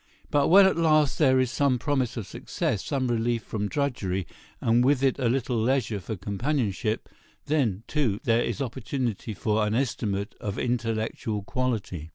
But when at last there is some promise of success, some relief from drudgery, and with it a little leisure for companionship—then, too, there is opportunity for an estimate of intellectual quality.